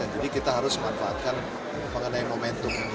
jadi kita harus memanfaatkan pengenai momentum